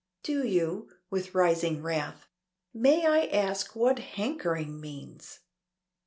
"Do you?" with rising wrath. "May I ask what hankering means?"